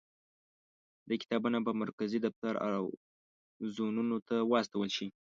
دا کتابونه به مرکزي دفتر او زونونو ته واستول شي.